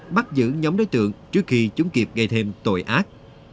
bắt giữ nhóm đối tượng trước khi chúng kịp gây thêm tội ác